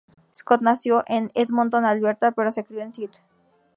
Scott nació en Edmonton, Alberta, pero se crio en St.